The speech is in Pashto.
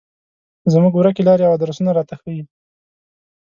زموږ ورکې لارې او ادرسونه راته ښيي.